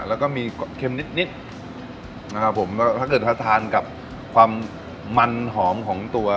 แล้วก็มีเค็มนิดนิดนะครับผมแล้วถ้าเกิดถ้าทานกับความมันหอมของตัว